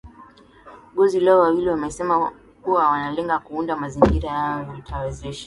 gozi hao wawili wamesema kuwa wanalenga kuunda mazingira ambayo yatawezesha